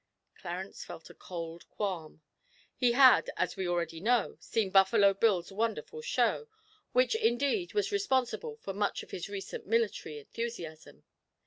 Clarence felt a cold qualm. He had, as we already know, seen Buffalo Bill's wonderful show, which, indeed, was responsible for much of his recent military enthusiasm.